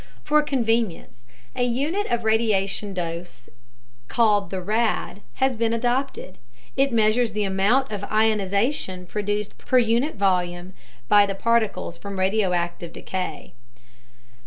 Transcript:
For convenience, a unit of radiation dose called the "rad" has been adopted. It measures the amount of ionization produced per unit volume by the particles from radioactive decay.